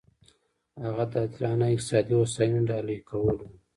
هغه د عادلانه اقتصادي هوساینې ډالۍ کول و.